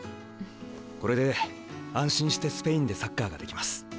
これで安心してスペインでサッカーができます。